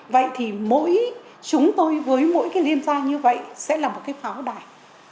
vậy thì mỗi chúng tôi với mỗi cái liên gia như vậy sẽ là một cái pháo đài